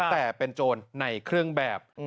แต่เป็นโจรในเครื่องแบบ